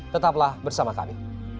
tetaplah bersama kami